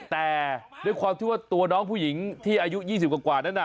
แต่ด้วยความที่ว่าตัวน้องผู้หญิงที่อายุ๒๐กว่านั้น